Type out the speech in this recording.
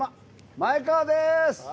前川です。